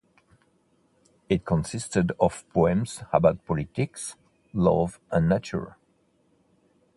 It consisted of poems about politics, love and nature.